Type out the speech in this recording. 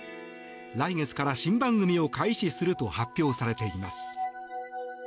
来月から新番組を開始すると発表されています。